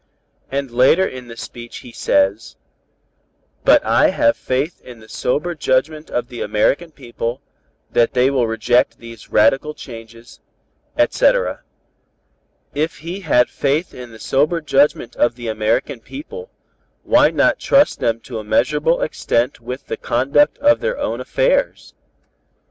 And later in the speech he says: 'But I have faith in the sober judgment of the American people, that they will reject these radical changes, etc.' "If he had faith in the sober judgment of the American people, why not trust them to a measurable extent with the conduct of their own affairs?